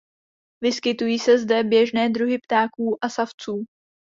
Vyskytují se zde běžné druhy ptáků a savců.